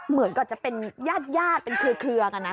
เหมือนกับจะเป็นญาติเป็นเครือกันนะ